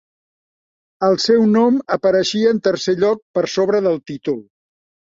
El seu nom apareixia en tercer lloc, per sobre del títol.